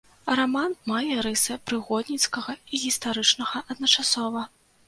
Раман мае рысы прыгодніцкага і гістарычнага адначасова.